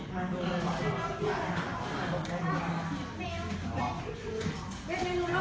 นี้โลกเต็มมากเยอะมาก